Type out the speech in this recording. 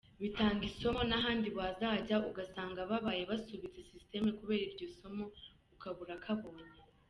bitanga isomo n'ahandi wazajya ugasanga babaye basubitse system kubera iryo somo, ukaba urakabonye.